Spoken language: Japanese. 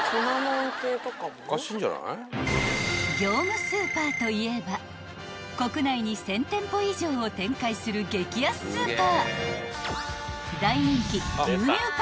［業務スーパーといえば国内に１，０００店舗以上を展開する激安スーパー］